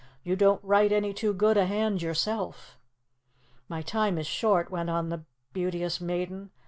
"You don't write any too good a hand yourself." "My time is short," went on the Beauteous Maiden.